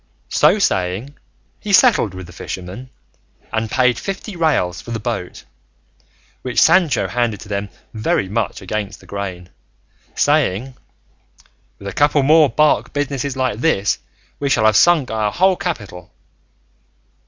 So saying he settled with the fishermen, and paid fifty reals for the boat, which Sancho handed to them very much against the grain, saying, "With a couple more bark businesses like this we shall have sunk our whole capital."